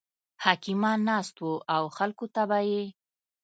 حکیمان ناست وو او خلکو ته به یې